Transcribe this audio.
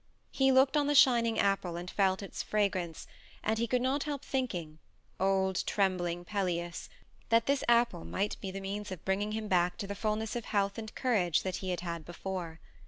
He looked on the shining apple and he felt its fragrance and he could not help thinking, old trembling Pelias, that this apple might be the means of bringing him back to the fullness of health and courage that he had had before.